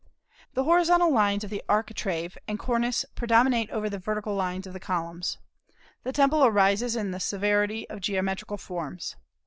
The horizontal lines of the architrave and cornice predominate over the vertical lines of the columns. The temple arises in the severity of geometrical forms.